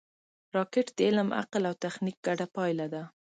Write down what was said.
راکټ د علم، عقل او تخنیک ګډه پایله ده